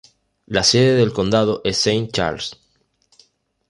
La sede del condado es Saint Charles.